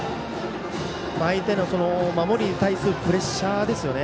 相手の守りに対するプレッシャーですよね。